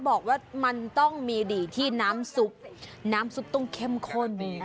บอกว่ามันต้องมีดีที่น้ำสุกต้องเข้มขน